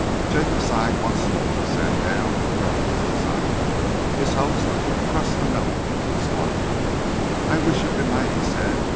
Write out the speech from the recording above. Jacob sighed once more, sat down and wrote as desired. His host thrust the note into his pocket. "I wish you good night," he said.